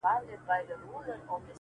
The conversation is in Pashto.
دغه ياغي خـلـگـو بــه منـلاى نـــه~